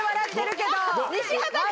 西畑君。